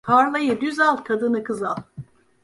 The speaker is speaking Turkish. Tarlayı düz al, kadını kız al.